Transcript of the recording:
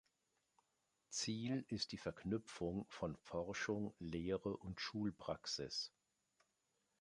Ziel ist die Verknüpfung von Forschung, Lehre und Schulpraxis.